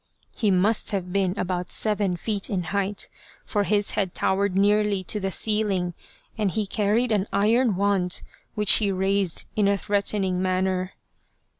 He must have been about seven feet in height, for his head towered nearly to the ceiling, and he carried an iron wand, which he raised in a threatening manner.